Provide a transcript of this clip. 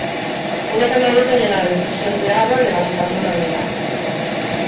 Una canaleta llena la depresión de agua, levantando la viga.